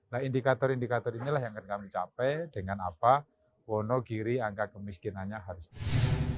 nah indikator indikator inilah yang akan kami capai dengan apa wonogiri angka kemiskinannya harus tinggi